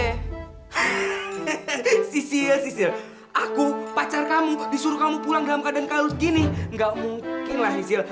hehehe sisil sisil aku pacar kamu disuruh kamu pulang dalam keadaan kayak gini enggak mungkin lah sisil